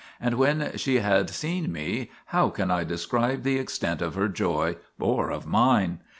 And when she had seen me, how can I describe the extent of her joy or of mine?